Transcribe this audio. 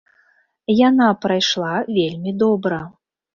Яна прайшла вельмі добра.